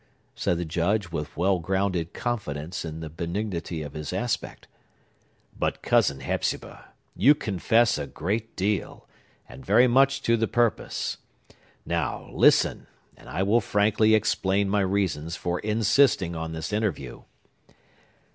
said the Judge, with well grounded confidence in the benignity of his aspect. "But, Cousin Hepzibah, you confess a great deal, and very much to the purpose. Now, listen, and I will frankly explain my reasons for insisting on this interview.